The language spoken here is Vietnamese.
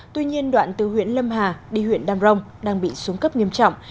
tuy nhiên đoạn từ huyện lâm hà đi huyện đam rồng đang bị xuống cấp nghiêm trọng